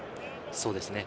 そうですね。